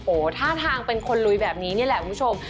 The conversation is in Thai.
โอ้โหท่าทางเป็นคนลุยแบบนี้นี่แหละคุณผู้ชม